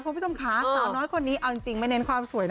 คุณผู้ชมค่ะสาวน้อยคนนี้เอาจริงไม่เน้นความสวยนะ